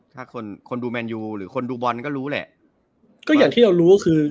ถ้าคนคนดูแมนยูหรือคนดูบอลก็รู้แหละก็อย่างที่เรารู้ก็คือ